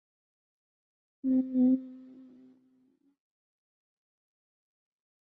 什刹海清真寺是清朝乾隆年间由马良创建。